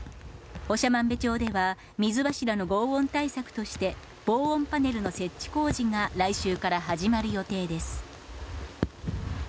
長万部町では水柱の防音対策として、防音パネルの設置工事が来週から始まる予定です。